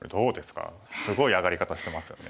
すごい上がり方してますよね。